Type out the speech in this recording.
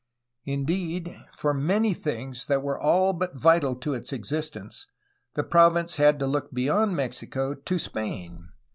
Indeed, for many things that were all but vital to its existence the province had to look beyond Mexico to Spain.